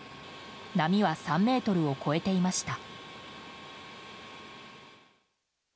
波は３ｍを超えていました。